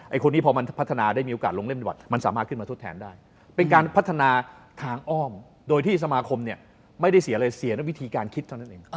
คนนี้พอมันพัฒนาได้มีโอกาสลงเล่นดีกว่ามันสามารถขึ้นมาทดแทนได้เป็นการพัฒนาทางอ้อมโดยที่สมาคมเนี่ยไม่ได้เสียอะไรเสียด้วยวิธีการคิดเท่านั้นเอง